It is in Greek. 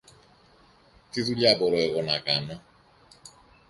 Τι δουλειά μπορώ εγώ να κάνω;